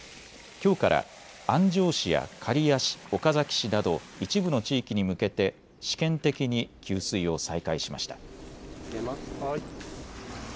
きょうから安城市や刈谷市、岡崎市など一部の地域に向けて試験的に給水を再開しました。